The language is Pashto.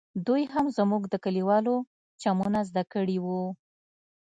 دوى هم زموږ د کليوالو چمونه زده کړي وو.